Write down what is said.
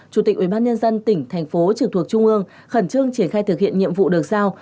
chủ tịch ubnd tỉnh thành phố trực thuộc trung ương khẩn trương triển khai thực hiện nhiệm vụ được giao